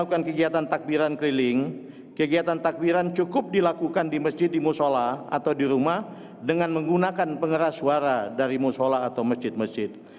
untuk dilakukan di masjid di musola atau di rumah dengan menggunakan pengeras suara dari musola atau masjid masjid